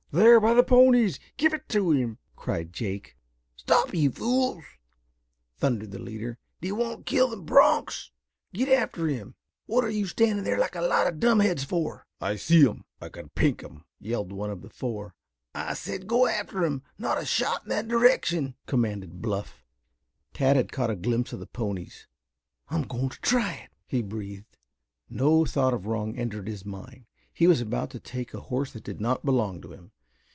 "There, by the ponies. Give it to him!" cried Jake. "Stop, you fools!" thundered the leader. "Do you want to kill the bronchs? Get after him. What are you standing there like a lot of dumbheads for?" "I see him. I kin pink him," yelled one of the four. "I said go after him. Not a shot in that direction!" commanded Bluff. Tad bad caught a glimpse of the ponies. "I'm going to try it," he breathed. No thought of wrong entered his mind. He was about to take a horse that did not belong to him.